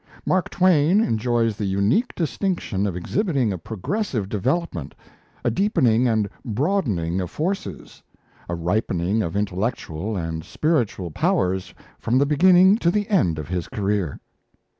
Mark Twain enjoys the unique distinction of exhibiting a progressive development, a deepening and broadening of forces, a ripening of intellectual and spiritual powers from the beginning to the end of his career.